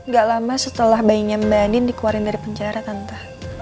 gak lama setelah bayinya mbak anin dikeluarin dari penjara kanta